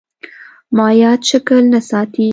مایعات شکل نه ساتي.